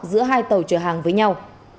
giữa hai tàu chở hàng với nhau